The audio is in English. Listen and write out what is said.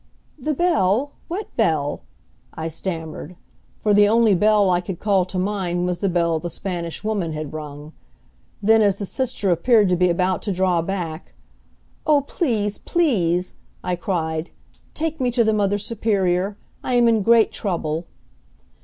"The bell? What bell?" I stammered, for the only bell I could call to mind was the bell the Spanish Woman had rung. Then, as the sister appeared to be about to draw back, "Oh, please, please," I cried, "take me to the Mother Superior! I am in great trouble!"